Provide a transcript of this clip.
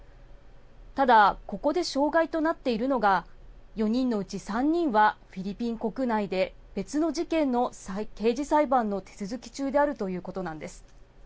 ただ、ここで障害となっているのが、４人のうち３人は、フィリピン国内で別の事件の刑事裁判の手続き中であるということなんです。